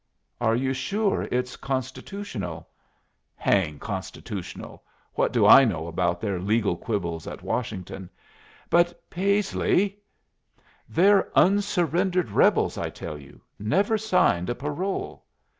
"Are you sure it's constitutional?" "Hang constitutional! What do I know about their legal quibbles at Washington?" "But, Paisley " "They're unsurrendered rebels, I tell you. Never signed a parole."